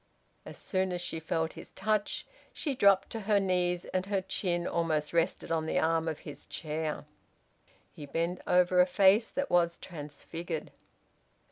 As soon as she felt his touch, she dropped to her knees, and her chin almost rested on the arm of his chair. He bent over a face that was transfigured.